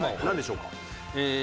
なんでしょうか？